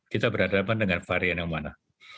kita berhadapan dengan varian yang mana